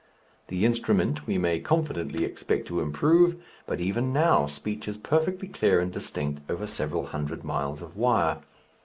The instrument we may confidently expect to improve, but even now speech is perfectly clear and distinct over several hundred miles of wire.